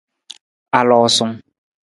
Aloosung.